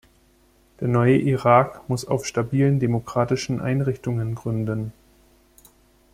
Der neue Irak muss auf stabilen demokratischen Einrichtungen gründen.